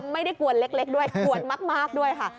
ไม่ได้กวนเล็กด้วยกวนมากด้วยค่ะ